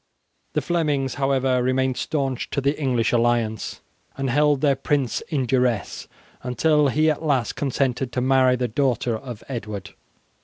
The Flemings, however, remained stanch to the English alliance, and held their prince in duresse until he at last consented to marry the daughter of Edward.